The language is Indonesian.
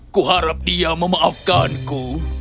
kuharap dia memaafkanku